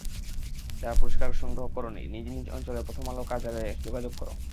যারা পুরস্কার সংগ্রহ করোনি, নিজ নিজ অঞ্চলে প্রথম আলো কার্যালয়ে যোগাযোগ করো।